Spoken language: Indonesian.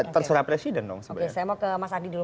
terserah presiden dong saya mau ke mas adi dulu